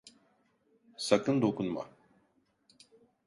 Sakın dokunma!